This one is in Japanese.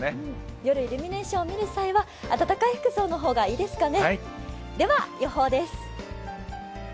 夜、イルミネーションを見る際は暖かい服装の方がいいですかね。